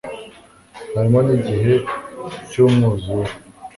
harimo n'igihe cyu mwuzure